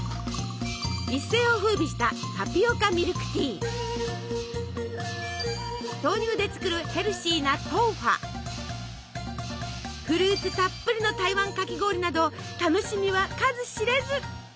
一世をふうびした豆乳で作るヘルシーなフルーツたっぷりの台湾かき氷など楽しみは数知れず。